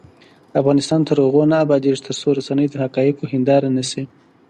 افغانستان تر هغو نه ابادیږي، ترڅو رسنۍ د حقایقو هنداره نشي.